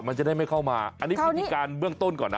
มันจะได้ไม่เข้ามาอันนี้พฤติการเบื้องต้นก่อนนะ